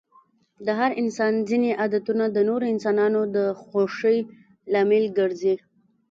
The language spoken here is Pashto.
د هر انسان ځيني عادتونه د نورو انسانانو د خوښی لامل ګرځي.